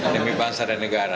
demi bangsa dan negara